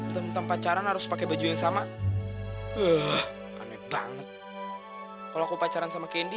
tempat pacaran harus pakai baju yang sama aneh banget kalau aku pacaran sama kendi